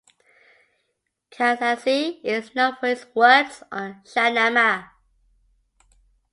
Kazzazi is known for his works on Shahnama.